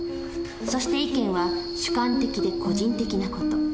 そして意見は主観的で個人的な事。